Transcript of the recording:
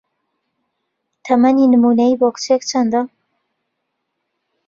تەمەنی نموونەیی بۆ کچێک چەندە؟